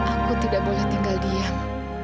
aku tidak boleh tinggal diam